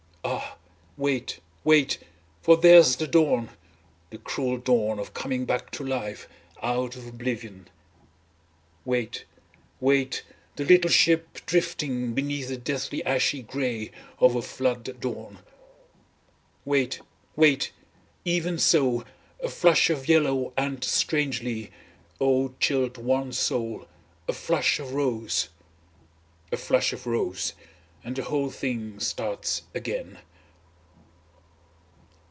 Ah wait, wait, for there's the dawn the cruel dawn of coming back to life out of oblivion Wait, wait, the little ship drifting, beneath the deathly ashy grey of a flood dawn. Wait, wait! even so, a flush of yellow and strangely, O chilled wan soul, a flush of rose. A flush of rose, and the whole thing starts again.